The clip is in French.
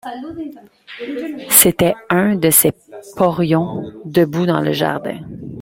C’était un de ses porions, debout dans le jardin.